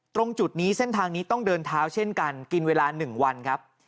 ตรงจุดนี้เส้นทางนี้ต้องเดินเท้าเช่นกันกินเวลา๑วันครับ